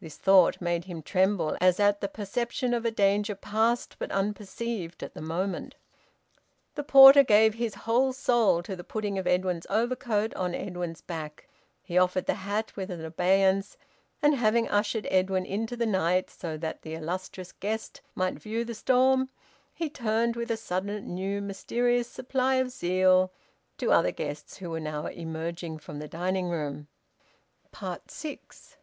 This thought made him tremble as at the perception of a danger past but unperceived at the moment. The porter gave his whole soul to the putting of Edwin's overcoat on Edwin's back; he offered the hat with an obeisance, and having ushered Edwin into the night so that the illustrious guest might view the storm, he turned with a sudden new mysterious supply of zeal to other guests who were now emerging from the dining room. SIX.